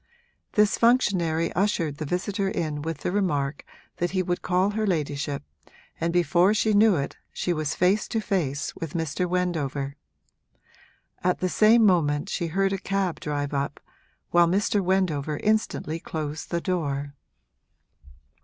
This functionary ushered the visitor in with the remark that he would call her ladyship, and before she knew it she was face to face with Mr. Wendover. At the same moment she heard a cab drive up, while Mr. Wendover instantly closed the door.